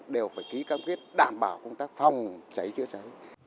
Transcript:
đều phải ký cam kết đảm bảo công tác phòng cháy chữa cháy